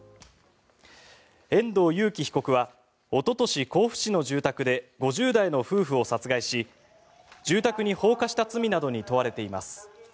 遠藤裕喜被告はおととし、甲府市の住宅で５０代の夫婦を殺害し住宅に放火した罪などに問われています。